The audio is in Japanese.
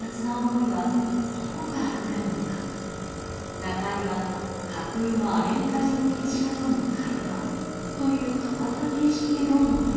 中井は架空のアメリカ人歴史家との会話という変わった形式で論を展開。